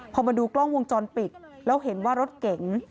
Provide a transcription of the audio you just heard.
พอมาดูกล้องวงจรปิดแล้วเห็นว่ารถเก๋ง